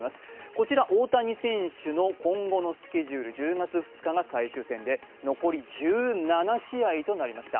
こちら大谷選手の今後のスケジュール１０月２日が最終戦で、残り１７試合となりました。